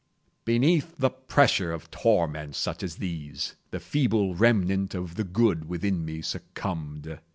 Beneath the pressure of torments such as these, the feeble remnant of the good within me succumbed.